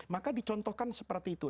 maka dicontohkan seperti itu